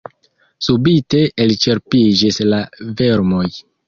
Subite elĉerpiĝis la vermoj.